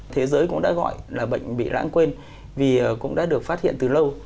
thế giới cũng đã gọi là bệnh bị lãng quên vì cũng đã được phát hiện từ lâu